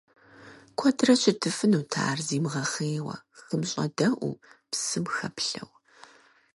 Куэдрэ щытыфынут ар зимыгъэхъейуэ хым щӏэдэӏуу, псым хэплъэу.